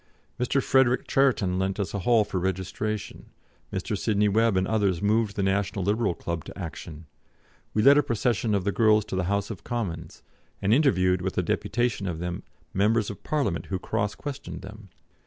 Mr. Frederick Charrington lent us a hall for registration, Mr. Sidney Webb and others moved the National Liberal Club to action; we led a procession of the girls to the House of Commons, and interviewed, with a deputation of them, Members of Parliament who cross questioned them.